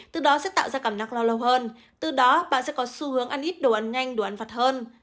từ đó sẽ tạo ra cảm năng lo lâu hơn từ đó bạn sẽ có xu hướng ăn ít đồ ăn nhanh đồ ăn vặt hơn